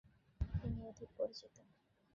তিনি অধিক পরিচিত।